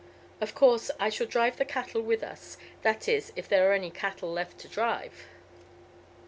Of course, I shall drive the cattle with us that is, if there are any cattle left to drive."